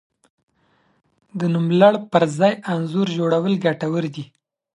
د نوملړ پر ځای انځور جوړول ګټور دي.